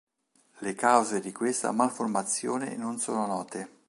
Le cause di questa malformazione non sono note.